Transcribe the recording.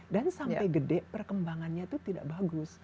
dan sampai gede perkembangannya itu tidak bagus